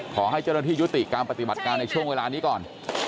ขอให้เจ้าหน้าที่ยุติการปฏิบัติการในช่วงเวลานี้ก่อน